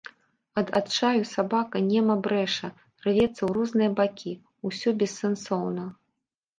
Ад адчаю сабака нема брэша, рвецца ў розныя бакі, усё бессэнсоўна.